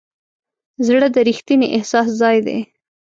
زړه د ریښتیني احساس ځای دی.